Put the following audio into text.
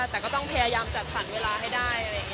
แต่ก็ต้องพยายามจัดสรรเวลาให้ได้อะไรอย่างนี้